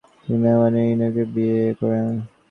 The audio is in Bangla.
তিনি মেভহিবে ইনোনুকে বিয়ে করেন।